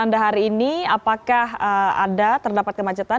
dan anda hari ini apakah ada terdapat kemacetan